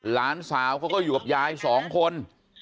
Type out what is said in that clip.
หลานสาวเขาก็อยู่กับยายสองคน